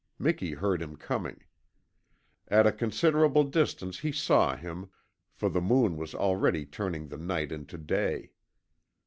Miki heard him coming. At a considerable distance he saw him, for the moon was already turning the night into day.